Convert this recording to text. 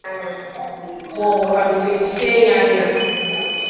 maọbụ kwanụ fechie ya anya